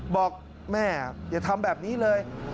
บอกแม่อย่าทำแบบนี้เลย